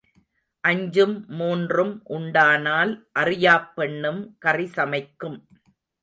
அஞ்சும் மூன்றும் உண்டானால் அறியாப் பெண்ணும் கறிசமைக்கும்